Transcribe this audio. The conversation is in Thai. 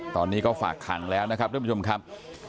ตอนนี้ก็ฝากขังแล้วนะครับท่านผู้ชมครับ